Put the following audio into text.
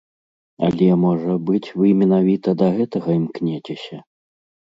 Але, можа быць, вы менавіта да гэтага імкнецеся?